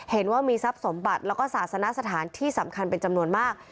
เห็นว่ามีทรัพย์สมบัติแล้วก็ศาสนสถานที่สำคัญเป็นจำนวนมาก